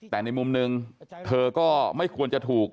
แต่ในมุมหนึ่งเธอก็ไม่ควรจะถูก